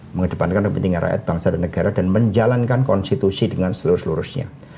mengedepankan kepentingan rakyat bangsa dan negara dan menjalankan konstitusi dengan seluruh seluruhnya